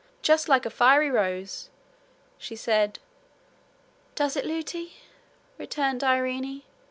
just like a fiery rose!' she said. 'Does it, Lootie?' returned Irene.